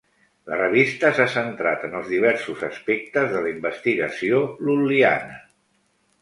La revista s'ha centrat en els diversos aspectes de la investigació lul·liana.